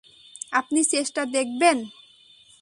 আপনি চেষ্টা দেখবেন?